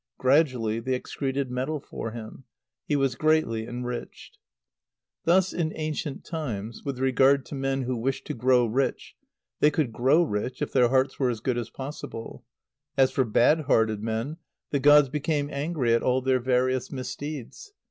Gradually they excreted metal for him. He was greatly enriched. Thus in ancient times, with regard to men who wished to grow rich, they could grow rich if their hearts were as good as possible. As for bad hearted men, the gods became angry at all their various misdeeds.